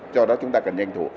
cho đó chúng ta cần nhanh thủ